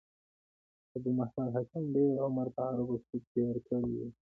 ابو محمد هاشم ډېر عمر په عربو کښي تېر کړی وو.